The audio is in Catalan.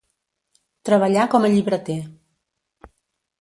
Treballà com a llibreter.